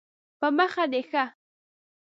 په مخه دې ښه